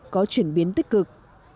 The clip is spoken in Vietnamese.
có chuyển biến tích cực